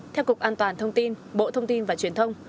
theo cục an toàn thông tin bộ thông tin và truyền thông